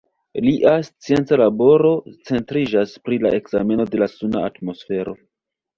Lia scienca laboro centriĝas pri la ekzameno de la suna atmosfero.